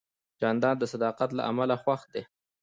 جانداد د صداقت له امله خوښ دی.